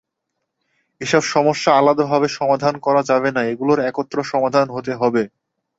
এসব সমস্যা আলাদাভাবে সমাধান করা যাবে না, এগুলোর একত্র সমাধান হতে হবে।